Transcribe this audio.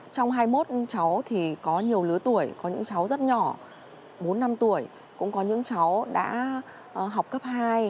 trong hai mươi một cháu thì có nhiều lứa tuổi có những cháu rất nhỏ bốn năm tuổi cũng có những cháu đã học cấp hai